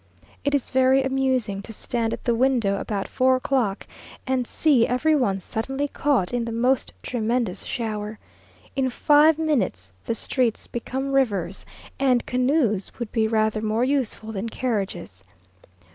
It is very amusing to stand at the window about four o'clock, and see every one suddenly caught in the most tremendous shower. In five minutes the streets become rivers; and canoes would be rather more useful than carriages.